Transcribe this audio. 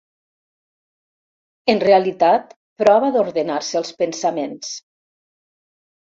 En realitat prova d'ordenar-se els pensaments.